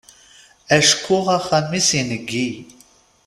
Acku axxam-is ineggi.